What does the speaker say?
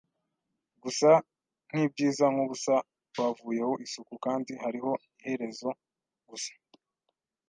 gusa nkibyiza nkubusa. Bavuyeho isuku, kandi hariho iherezo. Gusa, ”